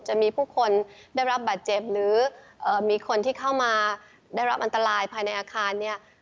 จะมีผู้คนได้รับบาดเจ็บหรือมีคนที่เข้ามาได้รับอันตรายภายในอาคารเนี่ย